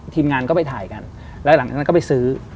ทีมงานก็ไปถ่ายกันแล้วหลังจากนั้นก็ไปซื้อ